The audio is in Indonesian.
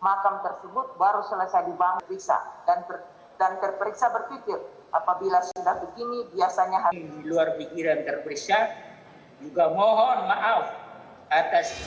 maki juga melaporkan firly menaiki helikopter milik perusahaan swasta dari palembang menuju baturaja